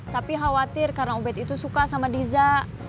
tapi khawatir karena ubed itu suka sama diza